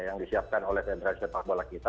yang disiapkan oleh federasi sepak bola kita